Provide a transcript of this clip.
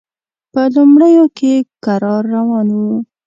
په لومړیو کې کرار روان و.